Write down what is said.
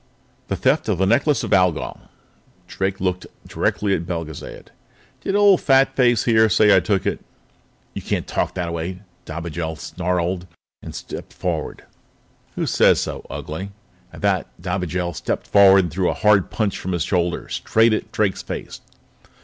"The theft of the Necklace of Algol." Drake looked directly at Belgezad. "Did old Fatface here say I took it?" "You can't talk that way," Dobigel snarled, stepping forward. "Who says so, Ugly?" At that, Dobigel stepped forward and threw a hard punch from his shoulder straight at Drake's face.